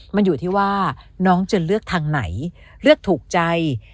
มันอยู่ที่ว่าน้องจะเลือกทางไหนเลือกถูกใจ